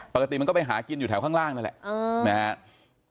ปกติมันก็ไปหากินอยู่แถวข้างล่างนั่นแหละนะครับ